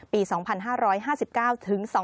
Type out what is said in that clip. ปี๒๕๕๙ถึง๒๕๖๑ค่ะ